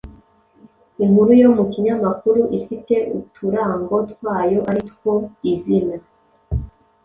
Inkuru yo mu kinyamakuru ifite uturango twayo ari two: izina